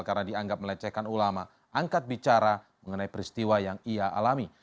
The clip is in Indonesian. karena dianggap melecehkan ulama angkat bicara mengenai peristiwa yang ia alami